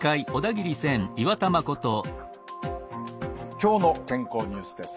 「きょうの健康ニュース」です。